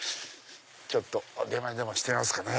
ちょっと電話でもしてみますか。